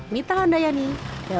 mita handayani soehara edisi dua